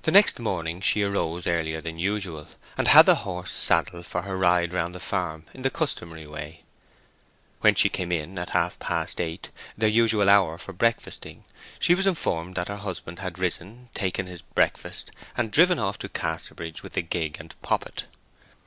The next morning she rose earlier than usual, and had the horse saddled for her ride round the farm in the customary way. When she came in at half past eight—their usual hour for breakfasting—she was informed that her husband had risen, taken his breakfast, and driven off to Casterbridge with the gig and Poppet.